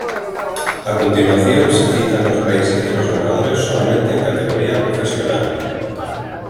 A continuación se citan los países de los ganadores solamente en categoría profesional.